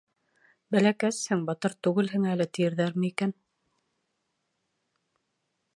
Бәләкәсһең, батыр түгелһең әле, тиерҙәрме икән?..